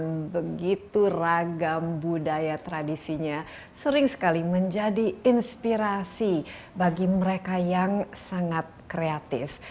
dengan begitu ragam budaya tradisinya sering sekali menjadi inspirasi bagi mereka yang sangat kreatif